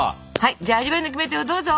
じゃあ味わいのキメテをどうぞ！